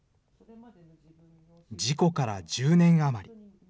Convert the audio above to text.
事故から１０年余り。